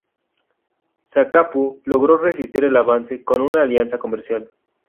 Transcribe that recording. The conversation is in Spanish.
Zacapu logró resistir el avance con una alianza comercial.